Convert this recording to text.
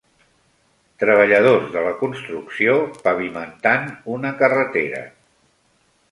Treballadors de la construcció pavimentant una carretera.